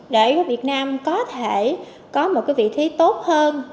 đại hội việt nam có thể có một vị trí tốt hơn